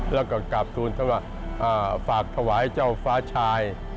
แล้วก็กลับทูลท่านมาฝากถวายเจ้าฟ้าชาย